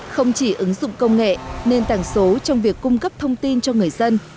không chỉ ứng dụng công nghệ nền tảng số trong việc cung cấp thông tin cho người dân